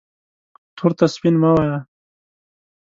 تور ته سپین مه وایه